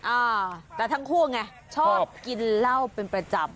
อ่าแต่ทั้งคู่ไงชอบกินเหล้าเป็นประจำ